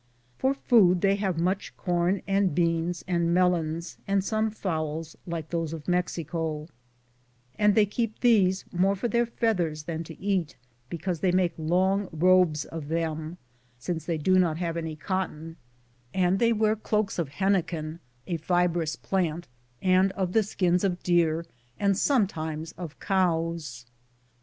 For food they have much corn and beans and melons, and some fowls, like those of Mexico, and they keep these more for their feathers than to eat, because they make long robes of them, since they do not have any cotton ; and they wear cloaks of heniquen (a fibrous plant), and of the skins of deer, and sometimes of cows.